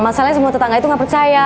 masalahnya semua tetangga itu nggak percaya